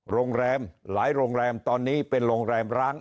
โรงแรมหลายโรงแรมตอนนี้เป็นโรงแรมร้าง